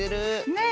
ねえ。